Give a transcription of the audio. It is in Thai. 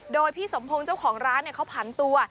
โดยพี่สมพงศ์เจ้าของร้านเขาผันตัว